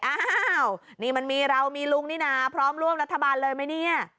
อ้าวนี่มันมีเรามีลุงนี่นะพร้อมร่วมรัฐบาลเลยไหมเนี่ย